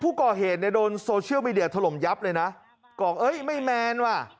พูดก่อเหตุในโดนโซเชียลบิเดียถล่มย้ับเลยนะก็ไม่แมนว่ะ